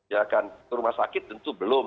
ya kan ke rumah sakit tentu belum